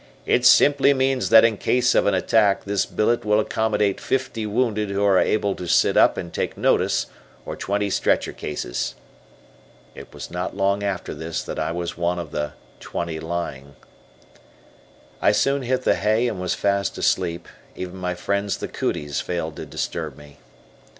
It simply means that in case of an attack, this billet will accommodate fifty wounded who are able to sit up and take notice, or twenty stretcher cases." It was not long after this that I was one of the "20 lying." I soon hit the hay and was fast asleep, even my friends the "cooties" failed to disturb me.